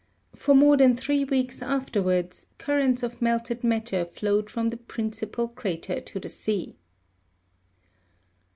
For more than three weeks afterwards currents of melted matter flowed from the principal crater to the sea.